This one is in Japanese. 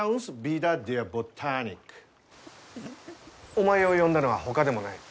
お前を呼んだのはほかでもない。